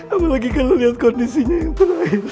apalagi kalau lihat kondisinya yang terakhir